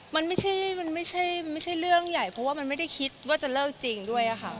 มันไม่ใช่มันไม่ใช่เรื่องใหญ่เพราะว่ามันไม่ได้คิดว่าจะเลิกจริงด้วยค่ะ